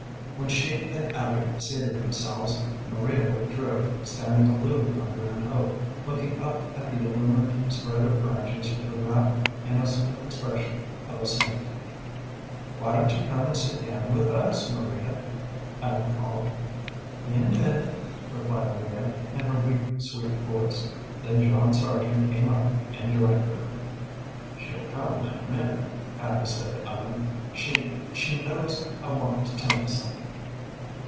When she and Abby seated themselves, Maria withdrew, standing aloof under an oak, looking up at the illumined spread of branches with the rapt, innocent expression of a saint. "Why don't you come and sit down with us, Maria?" Ellen called. "In a minute," replied Maria, in her weak, sweet voice. Then John Sargent came up and joined her. "She'll come in a minute," Abby said to Ellen. "She she knows I want to tell you something."